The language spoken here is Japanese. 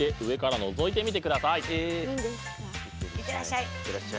行ってらっしゃい！